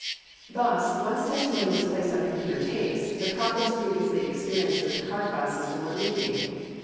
Thus, once testimony was placed on computer tapes, the problems previously experienced with the card file system were alleviated.